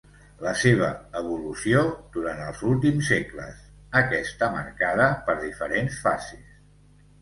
La seva evolució durant els últims segles aquesta marcada per diferents fases.